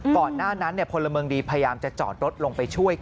ก่อนหน้านั้นพลเมืองดีพยายามจะจอดรถลงไปช่วย